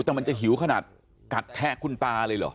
แต่มันจะหิวขนาดกัดแทะคุณตาเลยเหรอ